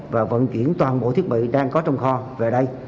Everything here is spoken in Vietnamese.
và vận chuyển toàn bộ thiết bị đang có trong kho về đây